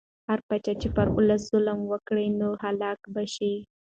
هر پاچا چې پر ولس ظلم وکړي نو هلاک به شي.